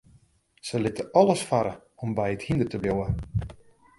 Se litte alles farre om by it hynder te bliuwen.